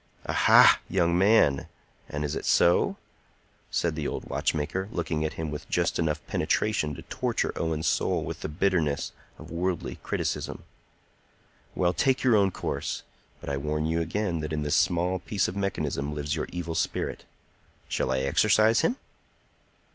"Aha, young man! And is it so?" said the old watchmaker, looking at him with just enough penetration to torture Owen's soul with the bitterness of worldly criticism. "Well, take your own course; but I warn you again that in this small piece of mechanism lives your evil spirit. Shall I exorcise him?"